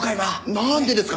なんでですか？